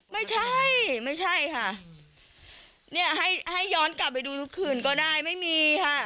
ไม่ใช่ไม่ใช่ค่ะเนี่ยให้ให้ย้อนกลับไปดูทุกคืนก็ได้ไม่มีค่ะ